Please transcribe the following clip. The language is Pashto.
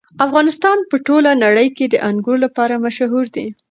افغانستان په ټوله نړۍ کې د انګور لپاره مشهور دی.